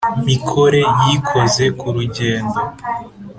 mikore yikoze ku rugendo